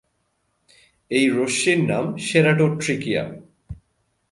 এই রশ্মির নাম সেরাটোট্রিকিয়া।